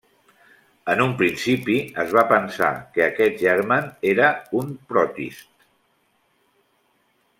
En un principi es va pensar que aquest germen era un protist.